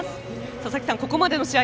ささきさん、ここまでの試合